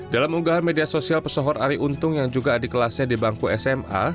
dalam unggahan media sosial pesohor ari untung yang juga adik kelasnya di bangku sma